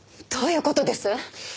どういう事です？